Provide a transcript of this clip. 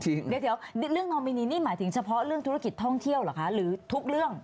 เดี๋ยวเรื่องนอมินีนี่หมายถึงเฉพาะเรื่องธุรกิจท่องเที่ยวเหรอคะหรือทุกเรื่อง